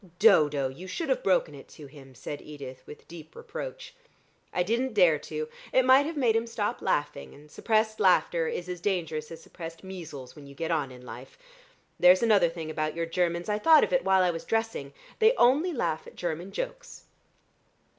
"Dodo, you should have broken it to him," said Edith with deep reproach. "I didn't dare to. It might have made him stop laughing, and suppressed laughter is as dangerous as suppressed measles when you get on in life. There's another thing about your Germans. I thought of it while I was dressing. They only laugh at German jokes."